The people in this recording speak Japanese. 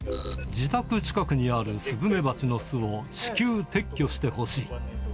自宅近くにあるスズメバチの巣を至急撤去してほしい。